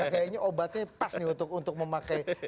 kayaknya obatnya pas nih untuk memakai